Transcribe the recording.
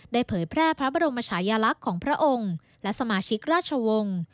เผยแพร่พระบรมชายลักษณ์ของพระองค์และสมาชิกราชวงศ์